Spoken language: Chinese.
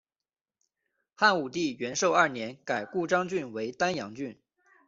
汉武帝元狩二年改故鄣郡为丹阳郡。